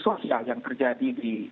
sosial yang terjadi di